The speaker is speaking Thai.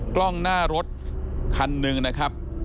กล้องหน้ารถคันหนึ่งนะครับ